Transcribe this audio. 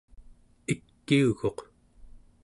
ikiuguq